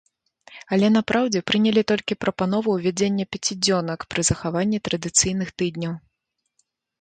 Але на праўдзе прынялі толькі прапанову ўвядзення пяцідзёнак пры захаванні традыцыйных тыдняў.